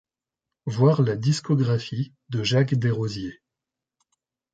Voir la discographie de Jacques Desrosiers.